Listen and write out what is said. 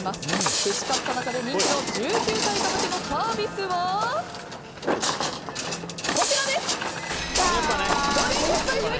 串カツ田中で人気の１９歳以下に向けたサービスはドリンク１杯無料！